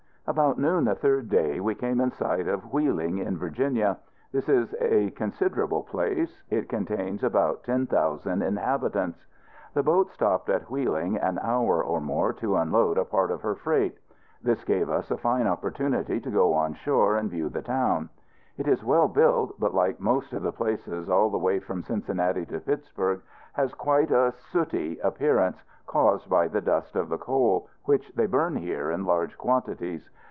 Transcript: About noon the third day, we came in sight of Wheeling, in Virginia. This is a considerable place. It contains about ten thousand inhabitants. The boat stopped at Wheeling an hour or more to unload a part of her freight. This gave us a fine opportunity to go on shore and view the town. It is well built, but, like most of the places all the way from Cincinnati to Pittsburg, has quite a sooty appearance, caused by the dust of the coal, which they burn here in large quantities.